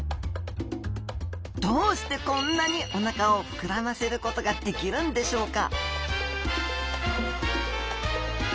どうしてこんなにお腹を膨らませることができるんでしょうか？